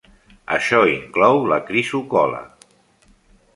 Això inclou la crisocol·la.